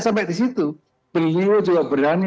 sampai di situ beliau juga berani